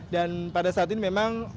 dan pada saat ini memang